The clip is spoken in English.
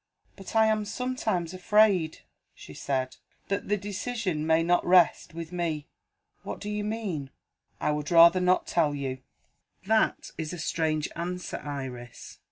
"But I am sometimes afraid," she said, "that the decision may not rest with me." "What do you mean?" "I would rather not tell you." "That is a strange answer, Iris."